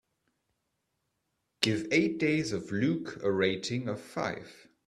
Give Eight Days of Luke a rating of five.